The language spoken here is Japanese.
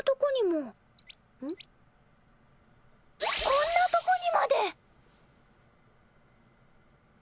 こんなとこにまで！